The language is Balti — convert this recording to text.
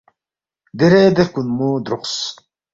دیرے دے ہرکُونمو دروقس